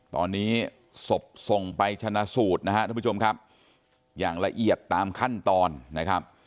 ตอนนี้ศพส่งไปชนะสูตรนะครับทุกผู้ชมครับอย่างละเอียดตามขั้นตอนนะครับ